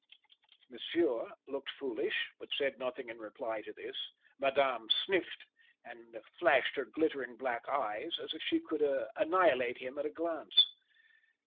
Monsieur looked foolish, but said nothing in reply to this. Madame sniffed, and flashed her glittering black eyes, as if she could annihilate him at a glance.